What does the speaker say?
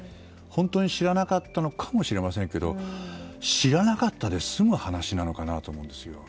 本当に知らなかったのかもしれませんけども知らなかったで済む話なのかなと思います。